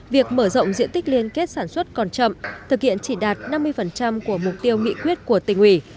việc mở rộng diện tích liên kết sản xuất còn chậm thực hiện chỉ đạt năm mươi của mục tiêu nghị quyết của tỉnh ủy